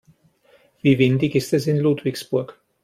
Wie windig ist es in Ludwigsburg?